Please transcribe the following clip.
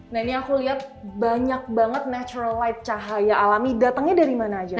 nah ini aku lihat banyak banget natural light cahaya alami datangnya dari mana aja